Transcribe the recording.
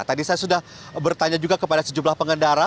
tadi saya sudah bertanya juga kepada sejumlah pengendara